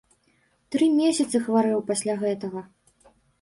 Тры месяцы хварэў пасля гэтага.